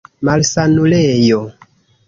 malsanulejo